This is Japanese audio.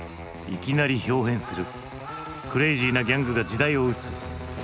いきなりひょう変するクレージーなギャングが時代を撃つ。